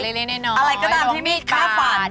อะไรก็ตามที่มีคาดฝัน